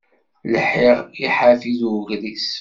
Lḥiɣ i ḥafi d ugris.